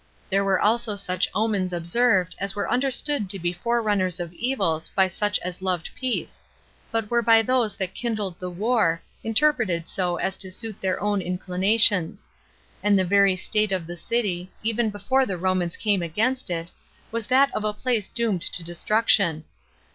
There were also such omens observed as were understood to be forerunners of evils by such as loved peace, but were by those that kindled the war interpreted so as to suit their own inclinations; and the very state of the city, even before the Romans came against it, was that of a place doomed to destruction.